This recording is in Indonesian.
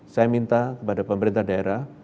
saya minta kepada pemerintah daerah